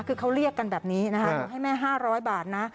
คือเขาเรียกกันแบบนี้นะคะหนูให้แม่๕๐๐บาทนะ